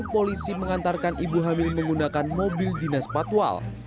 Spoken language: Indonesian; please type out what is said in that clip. polisi mengantarkan ibu hamil menggunakan mobil dinas patwal